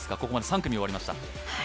ここまで３組終わりました。